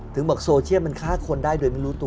บอกโซเชียลมันฆ่าคนได้โดยไม่รู้ตัว